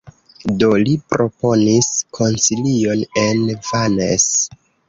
Do, li proponis koncilion en Vannes.